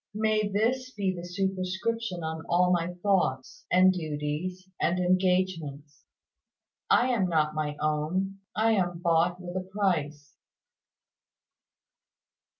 May this be the superscription on all my thoughts, and duties, and engagements "I am not my own, I am bought with a price."